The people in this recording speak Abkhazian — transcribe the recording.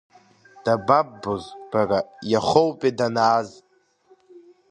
Дабаббоз, бара, иахоупеи данааз?